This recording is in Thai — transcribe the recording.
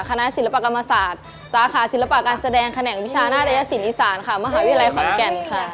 คณะศิลปกรรมศาสตร์สาขาศิลปะการแสดงแขนงวิชาหน้ายศิลปอีสานค่ะมหาวิทยาลัยขอนแก่นค่ะ